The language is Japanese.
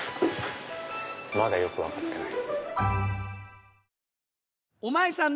まだよく分かってない。